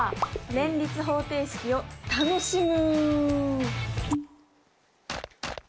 「連立方程式を楽しむ」？